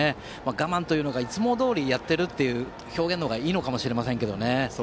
我慢というかいつもどおりやっているという表現がいいかもしれませんね。